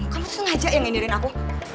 kamu tuh sengaja yang ngindirin aku